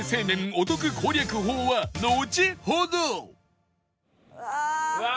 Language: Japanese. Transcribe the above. お得攻略法はのちほどうわーっ！